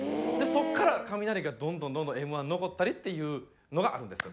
そこからカミナリがどんどんどんどんＭ−１残ったりっていうのがあるんです。